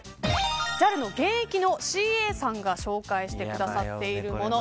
ＪＡＬの現役のＣＡさんが紹介してくださっているもの。